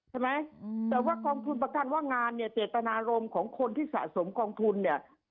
ใช่ไหมแต่ว่ากองทุนประกันว่างานเนี่ยเจตนารมณ์ของคนที่สะสมกองทุนเนี่ย